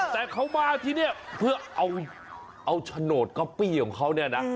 แต่เขามาที่นี่เพื่อเอาโฉนดก๊อปปี้ของเขาเนี่ยนะ